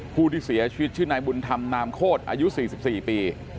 ผู้ที่เสียชีวิตชื่อนายบุญธรรมนามโคตรอายุ๔๔ปี